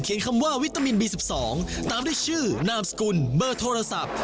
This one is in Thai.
คำว่าวิตามินบี๑๒ตามด้วยชื่อนามสกุลเบอร์โทรศัพท์